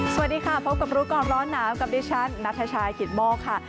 สวัสดีค่ะพบกับรู้ก่อนร้อนหนาวกับดิฉันนัทชายกิตโมกค่ะ